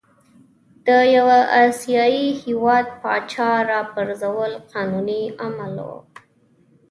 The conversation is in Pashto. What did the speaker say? د یوه آسیايي هیواد پاچا را پرزول قانوني عمل وو.